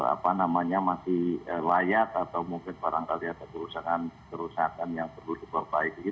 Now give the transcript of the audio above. apa namanya masih layak atau mungkin barangkali ada kerusakan kerusakan yang perlu diperbaiki